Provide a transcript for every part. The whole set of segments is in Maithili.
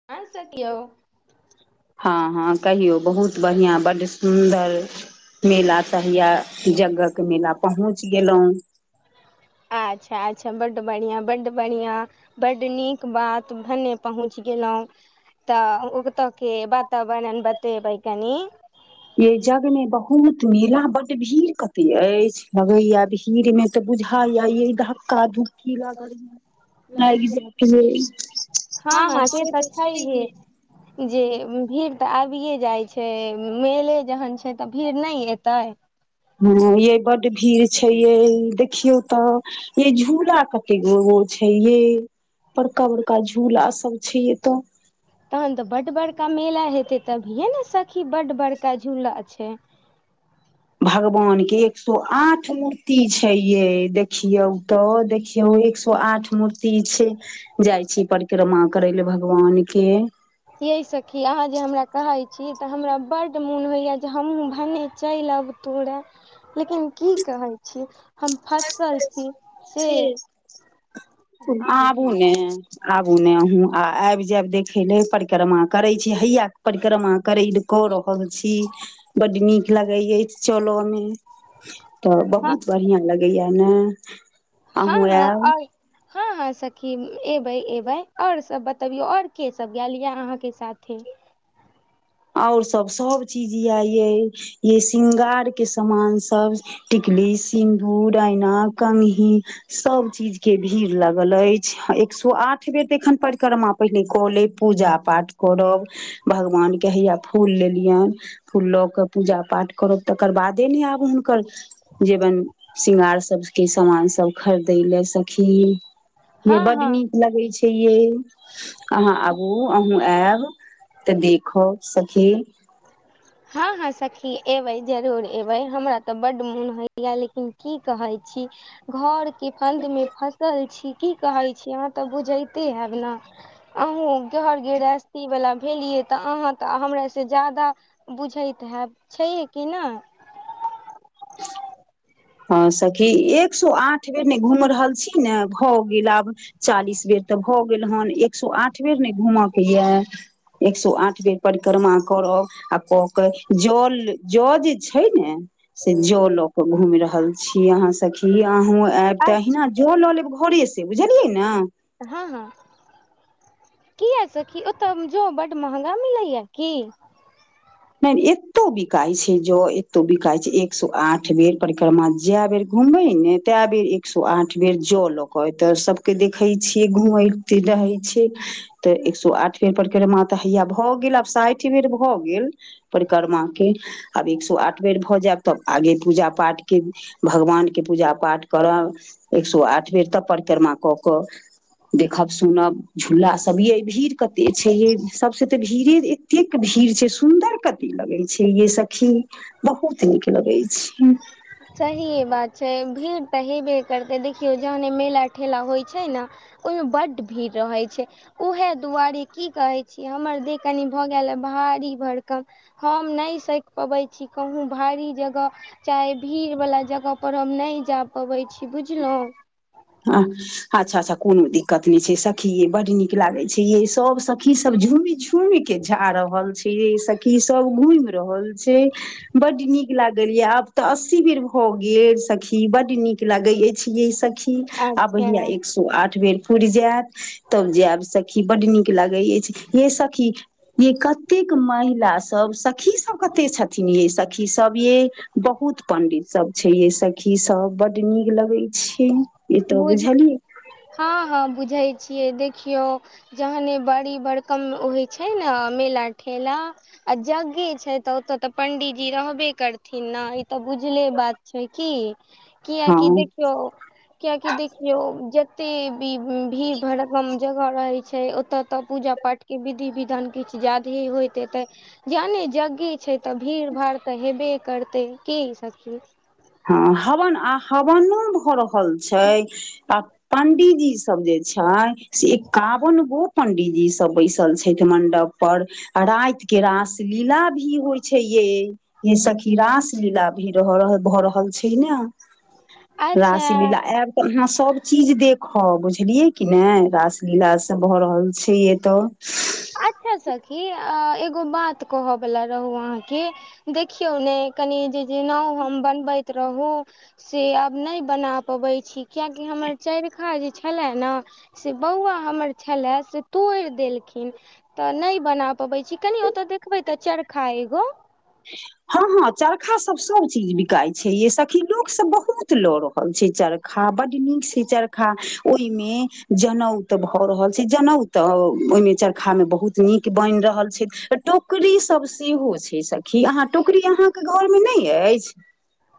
[unintelligible] हँ हँ कहियौ बहुत बढ़ियां बड्ड सुन्दर मेला तहिया जगह के मेला पहुँच गेलहुं अच्छा - अच्छा बड्ड बढ़ियां बड्ड बढ़ियां बड्ड नीक बात भने पहुँच गेलहुँ तऽ उ उ ओतऽके वातावरण बतेबै कनि ये जज्ञ मे बहूत मेला बड भीड़ कते अछि लगैये भीड़ मे तऽ बुझा य य धक्का धुक्की लागल [inaudible] लागि जेत यै हँ हँ से त छैये जे उम्म भीड़ तऽ आबिये जाइ छै मेले जहन छै तऽ भीड़ नहि एतै हँ यै बड भीड़ छै यै देखियौ तऽ ये झूला कतेगो गो छै ये बड़का बड़का झूला सब छै एतऽ तहन तऽ बड बड़का मेला हेतै तभिए ने सखी बड बड़का झूला छै भगवान के एक सो आठ मूर्ति छैयै देखियौ तऽ हो एक सौ आठ मूर्ति छै जाइ छी परिक्रमा करै ले भगवान के यै सखी अहाँ जे हमरा कहै छी तऽ हमरा बड्ड मोन होइए जे हमहूँ भने चेल तोड़ा लेकिन की कहै छी हम फसल छी से हँ आबू ने आबू ने आ आबि जायब देखे ले परिक्रमा करे छी हैया के परिक्रमा करे ल कऽ रहल छी बड नीक लगे य चलो नै तऽ बहुत बढ़िआँ लगैया ने अहूँ हँ आयब आ हँ हँ सखी अबै अबै ओर सब बतबियौ ओर के सब आल यऽ अहाँके साथे और सब सब चीज य ये य शृंगार के सामान सब टिकली सिंदूर आयना कंगघी सब चीज के भीड़ लागल अछि एक सौ आठ बे [unintelligible] पहिले कऽ ले पूजा पाठ करब भगवान क हैया फूल लेलियनि फूल लऽ के पूजा पाठ करब तकर बादे ने आब हुनकर जेबन शृंगार सबके सामान सब खरीदै ले सखी ये हँ बड हँ नीक लगै छै ये अहाँ आबू अहूँ आयब तऽ देख सखी हँ हँ सखी एबै जरूर एबै हमरा तऽ बड मोन होइया लेकिन की कहै छी घर के फंद मे फसल छी की कहै छी अहाँ तऽ बुझैते हेब ने अहूँ घर गृहस्थी वला भेलियै तऽ अहाँ तऽ हमर से ज्यादा बुझैत हयब छैह कि नहि हँ सखी एक सौ आठ बेर ने घूम रहल छी ने खोब [unintelligible] चालीस बेर तऽ भऽ गेल हेन एक सए आठ बेर नहि घूमके यए एक सए आठ बेर परिक्रमा करब आ क के जल ज जे छै ने से जल ल के घूमि रहल छी अहाँ सखी अहँ आयब तऽ अच्छा अहिना जो लऽ लेब घरे से बुझलियै ने हँ हँ किया सखी ओतऽ जो बड महगा मिलै या की [unintelligible] एतो बिकइ छै ज एतो बिक कहै छै एक सौ आठ बेर परिक्रमा जए बेर घुमै नऽ तए बेर एक सौ आठ बेर ज लक कऽ त सबके देखै छियै घूमैत रहै छियै तऽ एक सौ आठ बेर परीकरमा तऽ हैया भऽ गेल आब साठि बेर भऽ गेल परिक्रमा केँ आब एक सौ आठ बेर भऽ जायब तब आगे पूजा पाठ केँ भगवान केँ पूजा पाठ करब एक सए आठ बेर तब परिक्रमा कऽ क कऽ देखब सुनब झूला सब ये भीड़ कते छैे यै सबसँ तऽ भीड़े एतेक भीड़ छै सुदर कति लगै छै ये सखी बहुत नीक लगै छै सहिए बात छै भीड़ तऽ हेबे करतै देखियौ जहने मेला ठेला होइ छै नऽ ओहिमे बड्ड भीड़ रहै छै उहै दुआरे की कहै छी हमर देह कनि भऽ गैल भारी भरकम हम नै सैक पबै छी कहूँ भारी जगह चाहे भीड़ बला जगह पर हम नैय जा पबै छी बुझलहुँ हँ अच्छा अच्छा कोनो दिक्कत नहि छै सखीे यै बड नीक लागे छै ये सब सखी सब झुमि झुम तुई केँ जा रहल छै यै सखि सब घूइम रहल छै बड्ड नीक लागल यए आब तऽ अस्सी बेर भऽ गेल सखी बड नीक लागैत अछि यै सखी आब अच्छा हया एक सै आठ बेर पुर जायत तब जायब सखी बड्ड नीक लागै अछि ये सखी ये कतेक महिला सब सखी सब कते छथिन ये सखी सब यै बहुत पंडित सब छै यै सखी सब बड नीक लगै छै ई तऽ बुझ बुझलियै हँ हँ बुझै छियै देखियौ जखने बड़ी बड़कम होइत छै नऽ मेला ठेला आ जगे छै तऽ ओतऽ तऽ पंडीजी रहबे करथिन न ई तऽ बुझले बात छै की हँ क्याकी देखियौ कियाकि देखियौ जते भी भीड़ भड़कम जगह रहैत छै ओतऽ तऽ पूजा पाठ के विधि विधान किछ ज्यादहै होइत होतै जाने जग्गे छै तऽ भीड़ भाड़ तऽ हेबे करतै की सखि हँ हवन आ हवानो भऽ रहल छै आ पंडीजी सब जे छै से एकावन गो पंडीजी सब बैस चल छैठ मंडप पर आ राति केँ रास लीला भी होइ छै ये यै सखी रास लीला भी रह रह भऽ रहल छै न रास लीला रास अच्छा लिल ऐब तऽ अहाँ सभ चीज देखब बुझलियै कि नाइ रास लील भऽ रहल छै एतय अच्छा सखी अ एगो बात कहयवला रहू अहाँकेँ देखियौ ने कनि जे जे नाव हम बनबैत रहूँ से आब नहि बना पबैत छी कियकि हमर चरिखा जे छलए नऽ से बौआ हमर छलै से तोड़ि देलखिन तऽ नहि बना पबै छी कनि ओतऽ देखबे तऽ चरखा एगो हँ हँ चरखा सब सब चीज बिकाय छै ये सखी लोक सब बहुत लऽ़ रहल छै चरखा बड नीक छै चरखा ओहिमे जनौ भऽ रहल छै जनौ तऽ ओहिमे चरखा मे बहुत नीक बैन रहल छै टोकरी सब सेहो छै सखी अहाँ टुकड़री अहाँकेँ घर मे नै अछि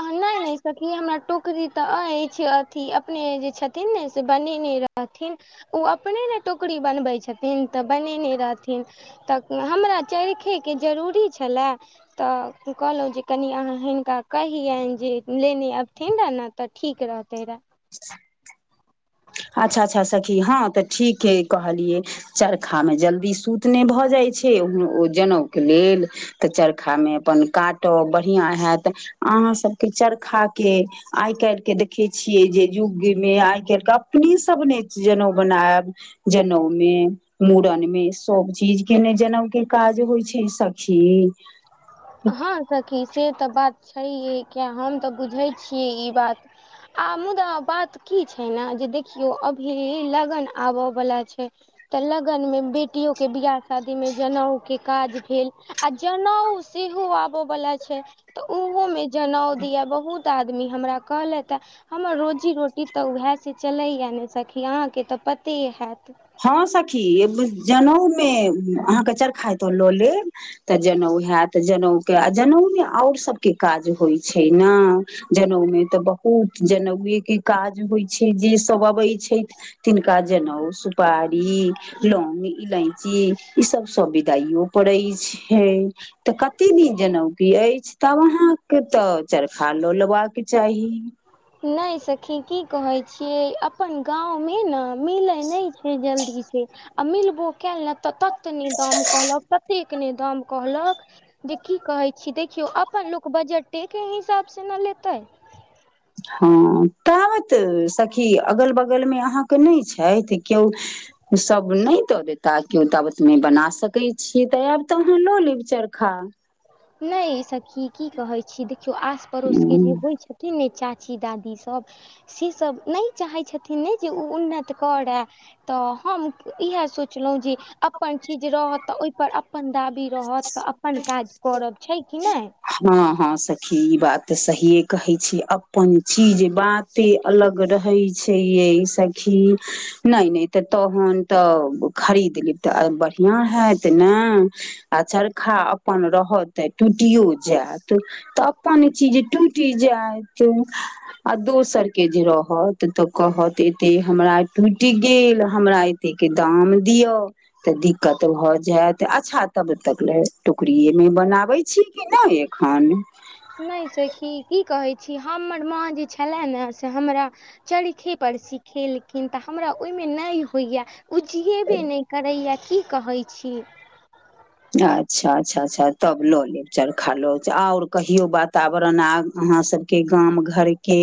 अहँ नै नै सखी हमरा टोकरी ते अछि अथी अपने जे छथिन ने से बनेने रह रहथिन ओ अपने ने टोकरी बनबै छथिन तऽ बनेने रहथिन तऽ हमरा चरखैके जरूरी छलए तऽ कहलहुँ जे कनि अहाँ हिनका कहि जे लेने अबथिन रह ने तऽ ठीक रहते रे अच्छा अच्छा सखी हँ तऽ ठीक है कहलियै चरखामे जल्दी सूत नहि भऽ जाइ छै ओ जनउके लेल तऽ चरखामे अपन काटब बढ़ियाँ हैत अहाँ सबके चरखा के आइ काल्हिके देखै छियै जे युग मे आइ काल्हिके अहि सब ने जनउ बनायब जनउ मे मुड़न मे सब चीज के ने जनउ के काज होइ छै सखी हाँ सखी से तऽ बात छैहे किया हम तऽ बुझै छियै ई बात आ मुदा बात की छै ने जे देखियौ अभी लगन आबय बला छै तऽ लगन मे बेटियो के बियाह शादी मे जनउ के काज भेल आ जनउ सेहो आबऽ वला छै तऽ ओहोमे जनउ दिया बहुत आदमी हमरा कहलथि ह हमर रोजी रोटी तऽ उएहसँ चलैए नहि सखी अहाँकेँ तऽ पते हैत हँ सखी जनेउ मे अहाँके चरखा तो लऽ लेब तऽ जनउ हयत तऽ जनउ के आ जनउ मे आओर सबके काज होइ छै ने जनउ मे तऽ बहुत जनेउए के काज होइ छै जे सब अबै छै तिनका जनउ सुप बड़ी लौंग इलायची ई सब सब विदाइयो पड़ हेइ तऽ कते दिन जनउकी अछि तब अहाँके तऽ चरखा लऽ लेबाक चाही नहि सखी की कहै छियै अपन गाँंव मे ने मिलै नहि छै जल्दी छै आ मिलबो कएय नहि तऽ तत नहि दाम कहलक कतेक ने दाम कहलक जे की कहै छी देखियौ अपन लोक बजटेके हिसाबसँ ने लेतै हँ ताबत सखी अगल बगलमे अहाँके नहि छथि केओ ओ सब नहि दऽ देता केओ तऽ आबतने बना सकैत छियै तऽ आयब तऽ अहाँ लऽ लेब चरखा नहि सखी की की कहै छी देखियौ आस पड़ोस के जे होइ छथिन कि नहि चाची दादी सब सेसब नै चाहै छथिन ने जे वो उन्नैत करे तऽ हम इहे सोंचलौं जे अप अपन चीज रहत तऽ ओय पर अपन दाबी रहत तऽ अपन काज करब छै कि नै हँ हँ सखी ई बात तऽ सहिये कहै छी अपन चीज जे बात ते अलग रहैय छै यै सखी नै नै तऽ तहन तऽ खरीद लिब तऽ आरु बढ़ियाँ हैत न आ चरखा अपन रहत तऽ टुटियो जायदु त अपन चीज टूटि जायत आ दोसर के जे रहत तऽ कहत एते हमरा टूटि गेल हमरा ए तय के दाम दियअ तऽ दिकत भऽ जायत अच्छा तब तक ले टुकड़ीये मे बनाबै छी कि नै एखन नै सखी की कहैय छी हमर माँ जे छलेय ने से हमरा चरखे पर सिखेलखिन त हमरा ओय मे नै होइय उजियेबे नै करैय की कहैय छी अच्छा अच्छा अच्छा तब ल लेब चरखा ल जा आरु कहियो वातावरण आब अहाँ सब कि गाम घर के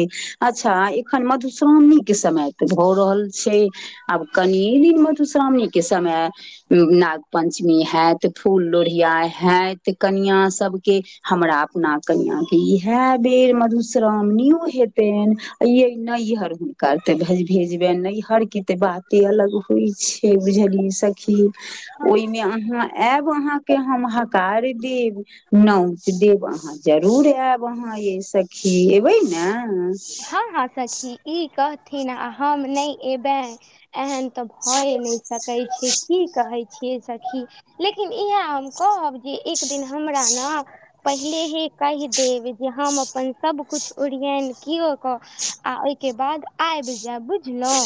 अच्छा एखन मधुश्रामणी के समय त भ रहल छै आब कनिये दिन मधुश्रामणी के समय नाग पञ्चमी हेयत त फूल लोर्हि या हैत कनिया सबके हमरा अपना कनिया के इहेय बेर मधु श्रामणियो हेतेन यै नैहर हुनका ते भेज भेजबनि नैहर के बात इ अलग होइ छै बुझलियै सखी ओयमे अहाँ आयब अहाँके हम हकार देब नौच देब अहाँ जरूर आयब अहाँ मैं सखी एबै ने हँ हँ सखी इ कहथिन आ हम नै एबे एहन त भए नहि सकै छै की कहै छियै सखी लेकिन इहे हम कहब जे एक दिन हमरा नअ पहिलेहे कहि देब जे हम अपन सभकुछ ओड़ियाइन किओ क आ ओयके बाद आइब जायब बुझलौं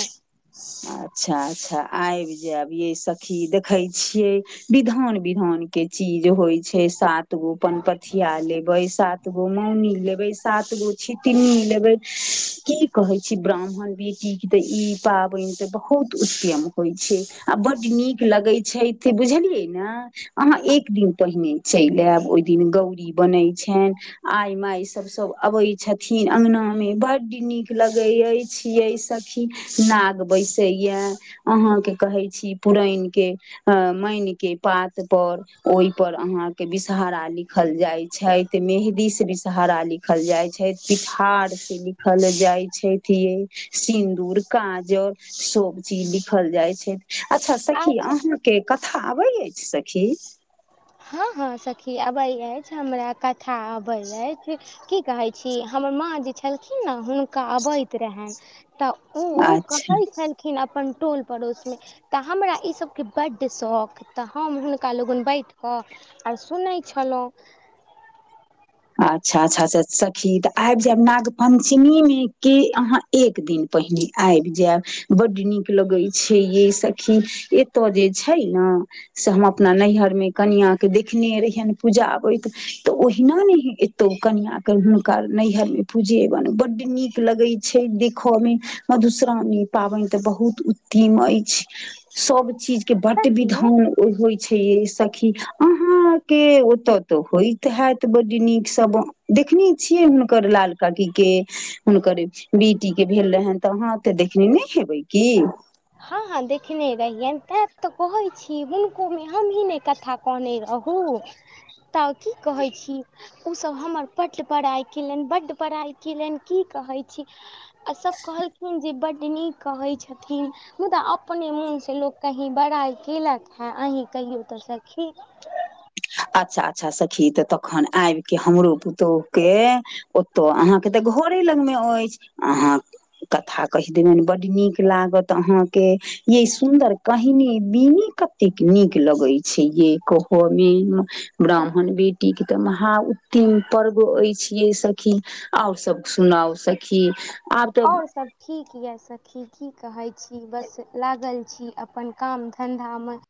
अच्छा अच्छा आयब जायब यै सखी देखैय छियै विधान विधान के चीज होय छै सात गो पनपथिया लेबै सात गोमौनी लेबै सात गो छितनी लेबै की कहैय छी ब्राह्मणबी त इ पाबैन त बहुत उत्तयम होइ छै आ बड नीक लगैय छैय। ते बुझेलियै ना अहाँ एक दिन पहिने चइल आयब ओय दिन गौरी बनैय छेन आय माय सब सब आबै छथिन अंगना मे बड नीक लगै अछि यै सखी नाग बैसैया अहाँके कहैय छी पुरैनके अं मैन के पात पर ओय पर अहाॅंके विषहारा लिखल जाय छैथ मेहदी से विषहारा लिख खल जाय छै पिठार से लिखल जाय छैथ यै सिन्दूर काजअ सब चीज लिखल जाइ छैय अच्छा सखी अहाँ कि कथा आबै अछि सखी हँ हँ सखी आबै अछि हमरा कथा आबै अछि कि कहैय छी हमर माँ जे छलखिन न हुनका अबैत रहेन त उ अच्छा कहै छल खिन अपन टोल पड़ोसमे त हमरा इ सभके बड्ड सख त हम हुनका लगन बैठ क आ सुनै छलौं अच्छा अच्छा स सखी त आयब जायब नाग पञ्चमी में कि अहाँ एक दिन पहिने आयब जायब बड नीक लगै छैयै सखी एतऽ जे छै ने से हम अपना नैहर मे कनिया के देखने रहियनि पूजा आबैत तऽ ओहिना ने ई तो कनीया अगर ह नैहर में पूजे बन बड्ड नीक लगे छै देखऽ में मधुश्रावणी पाबनि ते बहुत उत्तम अछि सब चीज के बड सखी विधान होइ छै मैं सखी अहाँके ओतऽ तऽ होइत हयत ब नीक स देखने छियै हुनकर लाल काकी के हुनकर बेटी के भेल रहैनि तऽ अहाँ ओते देखने नहि हेबै की हँ हँ देखने रहियनि तें तऽ कहै छी हुनको मे हमही ने क कनी रहू तऽ की कहै छी ओसभ हमर पट पड़ाइ केलनि बड्ड बड़ाइ केलनि की कहै छी आ सब कहलखिन जे बड्ड नीक कहै छथिन मुदा अपने मोनसँ लोक कहीँ बड़ाइ केलक हँ अहीँ कहियो तऽ सखी अच्छा अच्छा सखी तऽ तखन आबि के हमरो पुतोह के ओतौ अहाँके तऽ घरे लगमे अछि अहाँ कथा कहि देबनि बड्ड नीक लागत अहाँके ये सुन्दर कहनी बिनी कतेक नीक लगे छै यै कहू ब्राह्मण बेटीक तऽ महाउत्तिम पर्व अछि यै सखी आओर सब सुनाउ सखी आब तऽ आओर सब ठीक यऽ सखी की कहैत छी बस लागल छी अपन काम धन्धामे